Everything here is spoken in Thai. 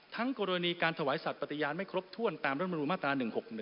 ทั้งกรณีการทวายสัตว์เป็นอัตรายินไม่ครบชวนตามรำรุมาตรา๑๖๒